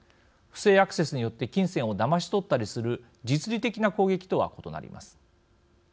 不正アクセスによって金銭をだまし取ったりする実利的な攻撃とは異なります。